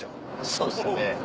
そうですよね。